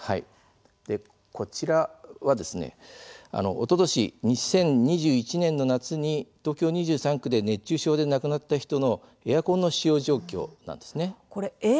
こちらはおととし２０２１年の夏に東京２３区で熱中症で亡くなった人のエアコンなしですか。